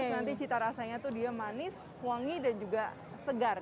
nanti cita rasanya tuh dia manis wangi dan juga segar